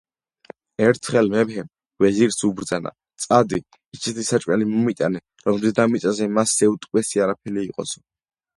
ერთხელ მეფემ ვეზირს უბრძანა: წადი, ისეთი საჭმელი მომიტანე, რომ დედამიწაზე მასზე უტკბესი არაფერი იყოსო